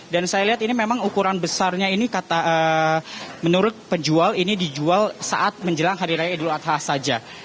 dan saya lihat ini memang ukuran besarnya ini menurut penjual ini dijual saat menjelang hari raya idul adha saja